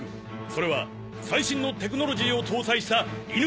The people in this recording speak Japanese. それは最新のテクノロジーを搭載した犬型ロボ